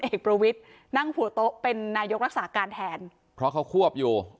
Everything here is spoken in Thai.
เอกประวิทย์นั่งหัวโต๊ะเป็นนายกรักษาการแทนเพราะเขาควบอยู่